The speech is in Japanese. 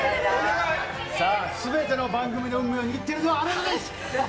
さあ、すべての番組の運命を握ってるのは、あなたです。